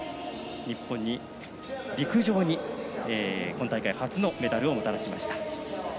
日本に陸上に今大会初のメダルをもたらしました。